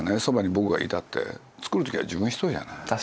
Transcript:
そばに僕がいたって作る時は自分１人じゃない。